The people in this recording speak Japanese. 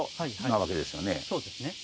そうですね。